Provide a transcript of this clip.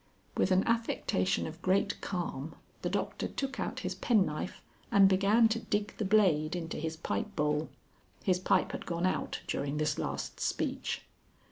With an affectation of great calm, the Doctor took out his penknife and began to dig the blade into his pipe bowl. His pipe had gone out during this last speech.